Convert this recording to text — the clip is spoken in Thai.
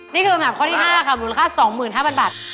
นี่คือคำถามข้อที่๕ค่ะมูลค่า๒๕๐๐บาท